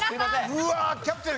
うわあキャプテン。